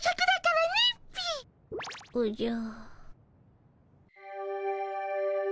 おじゃ。